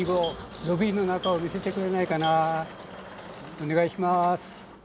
お願いします。